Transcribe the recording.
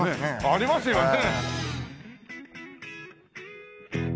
ありますよね。